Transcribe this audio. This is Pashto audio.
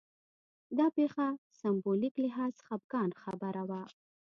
دا پېښه سېمبولیک لحاظ خپګان خبره وه